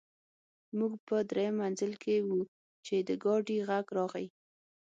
موږ په درېیم منزل کې وو چې د ګاډي غږ راغی